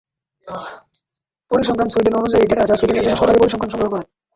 পরিসংখ্যান সুইডেন অনুযায়ী ডেটা, যা সুইডেনের জন্য সরকারী পরিসংখ্যান সংগ্রহ করে।